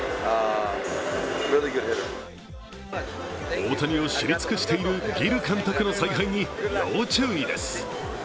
大谷を知り尽くしているギル監督の采配に要注意です。